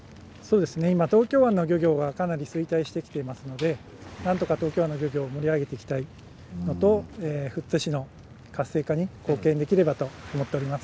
今、東京湾の漁業がかなり衰退してきていますのでなんとか東京湾の漁業を盛り上げていきたいことと富津市の活性化に貢献できればと思っております。